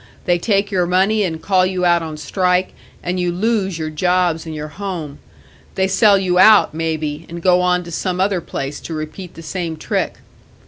They take your money and call you out on strike, and you lose your jobs and your home; they sell you out, maybe, and go on to some other place to repeat the same trick.'